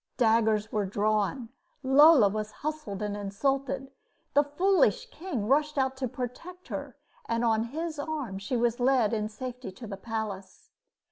Daggers were drawn; Lola was hustled and insulted. The foolish king rushed out to protect her; and on his arm she was led in safety to the palace.